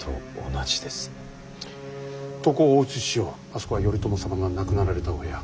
あそこは頼朝様が亡くなられたお部屋。